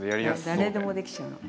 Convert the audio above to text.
誰でもできちゃうの。